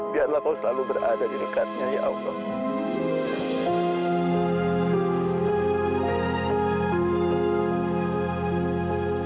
biarlah kau selalu berada di dekatnya ya allah